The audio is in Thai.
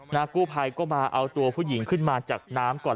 กู้ภัยก็มาเอาตัวผู้หญิงขึ้นมาจากน้ำก่อน